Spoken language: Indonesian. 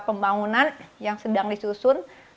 pembangunan yang sedang disusun